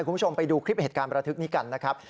คุณผู้ชมไปดูคลิปเหตุการณ์ประทึกนี้กันนะครับ